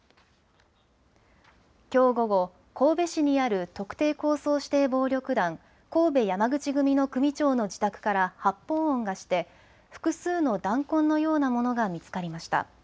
きょう午後、神戸市にある特定抗争指定暴力団神戸山口組の組長の自宅から発砲音がして複数の弾痕のようなものが見つかりました。